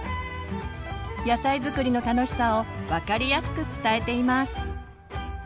野菜づくりの楽しさを分かりやすく伝えています。